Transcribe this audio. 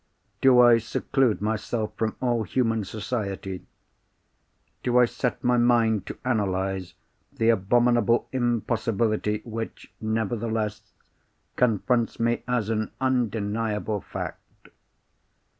Do I seclude myself from all human society? Do I set my mind to analyse the abominable impossibility which, nevertheless, confronts me as an undeniable fact?